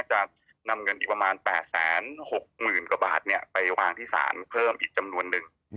จะนำเงินอีกประมาณ๘๖๐๐๐กว่าบาทไปวางที่ศาลเพิ่มอีกจำนวนนึง